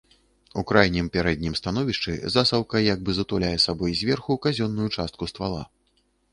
У крайнім пярэднім становішчы засаўка як бы затуляе сабой зверху казённую частку ствала.